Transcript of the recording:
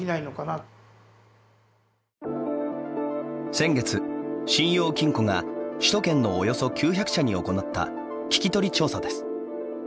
先月信用金庫が首都圏のおよそ９００社に行った聞き取り調査です。